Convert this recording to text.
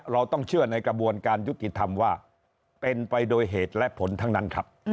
เราต้องเชื่อในกระบวนการยุติธรรมว่าเป็นไปโดยเหตุและผลทั้งนั้นครับ